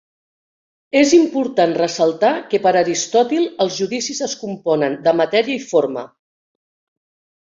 És important ressaltar que per Aristòtil els judicis es componen de matèria i forma.